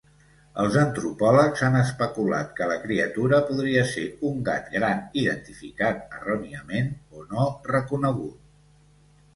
Els antropòlegs han especulat que la criatura podria ser un gat gran identificat erròniament o no reconegut.